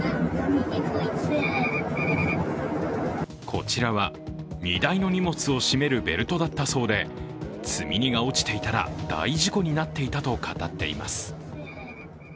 こちらは、荷台の荷物を締めるベルトだったそうで積み荷が落ちていたら、大事故になっていたと語っています。